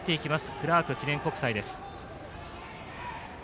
クラーク記念国際です。